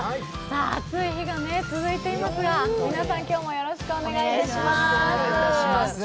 暑い日が続いていますが、皆さん、今日もよろしくお願いします。